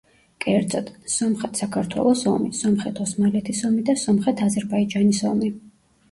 კერძოდ: სომხეთ-საქართველოს ომი, სომხეთ-ოსმალეთის ომი და სომხეთ-აზერბაიჯანის ომი.